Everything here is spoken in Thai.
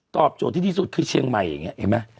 โจทย์ที่ดีที่สุดคือเชียงใหม่อย่างนี้เห็นไหม